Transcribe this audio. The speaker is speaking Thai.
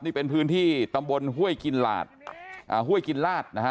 นี่เป็นพื้นที่ตำบลห้วยกินหลาดห้วยกินลาดนะฮะ